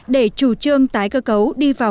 để chủ trương tái cơ cấu đi vào